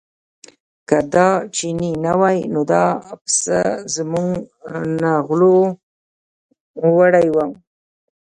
که دا چینی نه وای نو دا پسه موږ نه غلو وړی و.